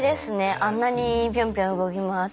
あんなにピョンピョン動き回ってるのに。